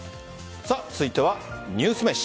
続いてはニュースめし。